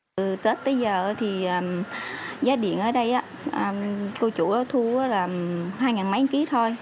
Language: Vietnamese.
từ tết tới giờ thì giá điện ở đây cô chủ thu là hai mấy kg thôi